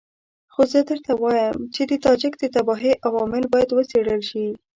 خو زه درته وایم چې د تاجک د تباهۍ عوامل باید وڅېړل شي.